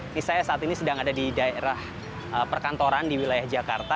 ini saya saat ini sedang ada di daerah perkantoran di wilayah jakarta